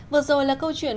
vừa rồi là câu chuyện